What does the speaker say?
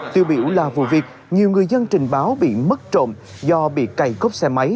tiêu biểu là vụ việc nhiều người dân trình báo bị mất trộm do bị cày cốp xe máy